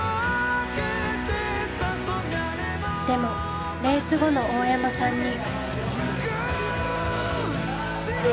でもレース後の大山さんに。